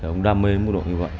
ông đam mê mức độ như vậy